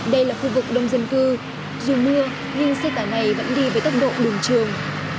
đây là khu vực đông dân cư dù mưa nhưng xe tải này vẫn đi với tốc độ đường trường